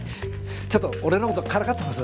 ちょっと俺のことからかってます？